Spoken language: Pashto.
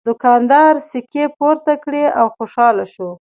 دوکاندار سکې پورته کړې او خوشحاله شو.